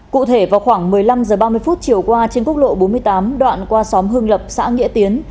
cụ thể vào khoảng một mươi năm h ba mươi chiều qua trên quốc lộ bốn mươi tám đoạn qua xóm hưng lập xã nghĩa tiến